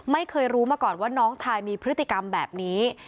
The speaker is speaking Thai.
ไม่เคยรู้มาก่อนว่าน้องชายมีพฤติกรรมแบบนี้